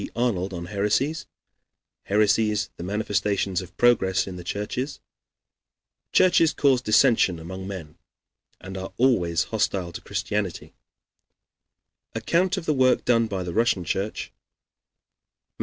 Arnold on Heresies Heresies the Manifestations of Progress in the Churches Churches Cause Dissension among Men, and are Always Hostile to Christianity Account of the Work Done by the Russian Church Matt.